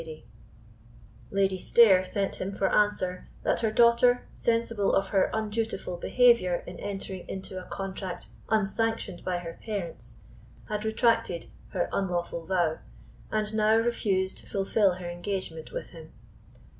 Lady Stair sent him for answer, that her daughter, sensible of her undutiful behaviour in entering into a contract unsanctioned by her parents, had retracted her unlawful vow, and now refused to fulfil her engagement with him.